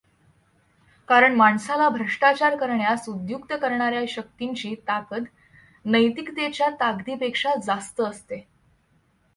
कारण माणसाला भ्रष्टाचार करण्यास उद्युक्त करणार्या शक्तींची ताकद नैतिकतेच्या ताकदीपेक्षा जास्त असते.